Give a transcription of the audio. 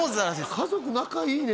家族仲いいね